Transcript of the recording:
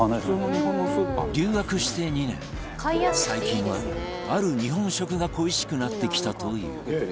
留学して２年最近はある日本食が恋しくなってきたという